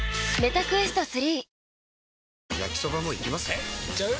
えいっちゃう？